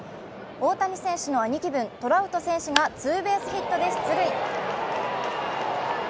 大谷選手の兄貴分・トラウト選手がツーベースヒットで出塁。